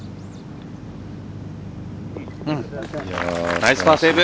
ナイスパーセーブ。